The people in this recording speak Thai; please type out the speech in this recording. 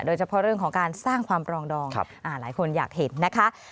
โดยเฉพาะเรื่องของการสร้างความปรองดองหลายคนอยากเห็นนะคะ